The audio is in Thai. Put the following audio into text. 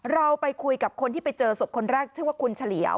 เราไปคุยกับคนที่ไปเจอศพคนแรกชื่อว่าคุณเฉลียว